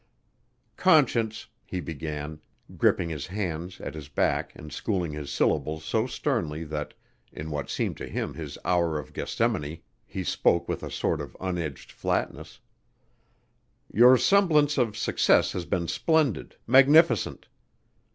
"Conscience," he began, gripping his hands at his back and schooling his syllables so sternly that, in what seemed to him his hour of Gethsemane, he spoke with a sort of unedged flatness, "your semblance of success has been splendid, magnificent.